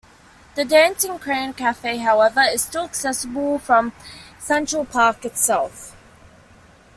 The Dancing Crane Cafe, however, is still accessible from Central Park itself.